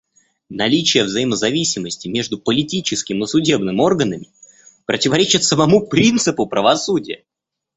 Наличие взаимозависимости между политическим и судебным органами противоречит самому принципу правосудия.